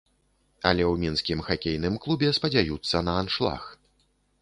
Але ў мінскім хакейным клубе спадзяюцца на аншлаг.